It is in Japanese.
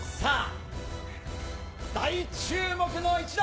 大注目の一打。